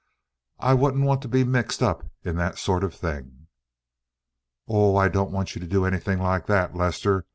I wouldn't want to be mixed up in that sort of thing." "Oh, I don't want you to do anything like that, Lester.